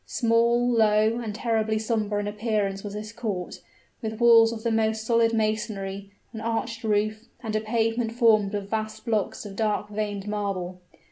Small, low, and terribly somber in appearance was this court with walls of the most solid masonry, an arched roof, and a pavement formed of vast blocks of dark veined marble.